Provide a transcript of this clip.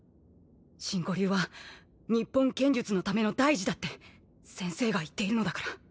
真古流は日本剣術のための大事だって先生が言っているのだから。